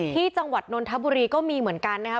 จังหวัดนนทบุรีก็มีเหมือนกันนะครับ